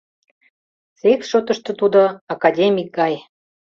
Секс шотышто тудо — академик гай.